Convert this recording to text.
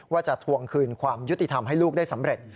ว่าจะทวงคืนความยุติธรรมให้ลูกได้สำเร็จ